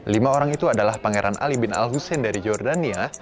lima orang itu adalah pangeran ali bin al hussein dari jordania